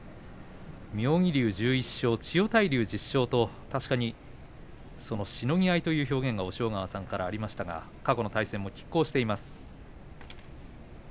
妙義龍は１１勝千代大龍１０勝としのぎ合いという表現が押尾川さんからありましたが過去の対戦も、きっ抗しています。